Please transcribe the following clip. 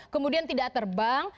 kemudian tidak terbang